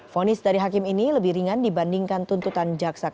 fonis dari hakim ini lebih ringan dibandingkan tuntutan jaksa kpk